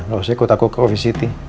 gausah ikut aku ke office city